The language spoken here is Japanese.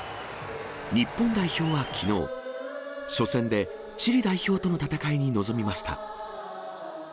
日本代表はきのう、初戦で、チリ代表との戦いに臨みました。